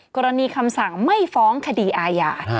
กรณีคำสั่งไม่ฟ้องคดีอาญา